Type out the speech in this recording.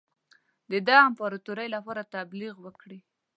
د ده د امپراطوری لپاره تبلیغ وکړي.